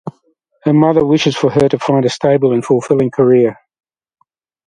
Her mother wishes for her to find a stable and fulfilling career.